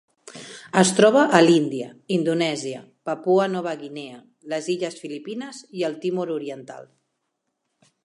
Es troba a l'Índia, Indonèsia, Papua Nova Guinea, les illes Filipines i el Timor Oriental.